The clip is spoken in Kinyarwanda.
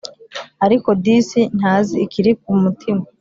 Ariko disi ntazi ikiri ku mutima